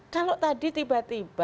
kalau tadi tiba tiba